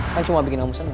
kan cuma bikin kamu seneng